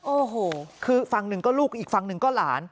โอ้โหคือฝั่งหนึ่งก็ลูกอีกฝั่งหนึ่งก็หลาน